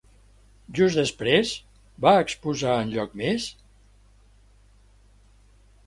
Just després, va exposar enlloc més?